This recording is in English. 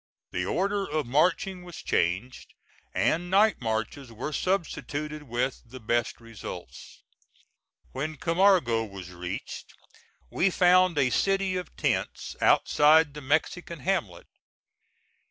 The order of marching was changed and night marches were substituted with the best results. When Camargo was reached, we found a city of tents outside the Mexican hamlet.